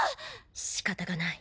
しかたがない。